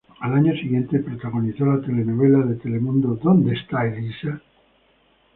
Al año siguiente, protagonizó la telenovela de Telemundo "¿Dónde está Elisa?